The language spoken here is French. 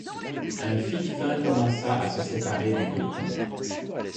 Un fil fin commença à se séparer du cocon.